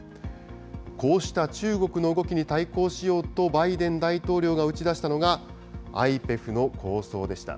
こうした中国の動きに対抗しようと、バイデン大統領が打ち出したのが、ＩＰＥＦの構想でした。